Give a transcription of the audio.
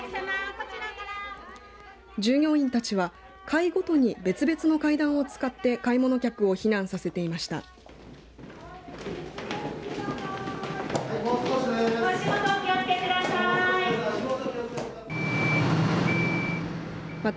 従業員たちは、階ごとに別々の階段を使って買い物客を避難させていました。